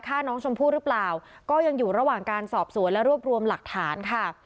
ฆ่าน้องชมพู่หรือเปล่าก็ยังอยู่ระหว่างการสอบสวนและรวบรวมหลักฐานค่ะ